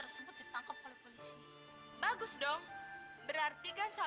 sampai jumpa di video selanjutnya